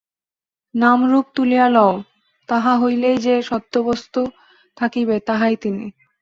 নাম-রূপ তুলিয়া লও, তাহা হইলেই যে- সত্যবস্তু থাকিবে, তাহাই তিনি।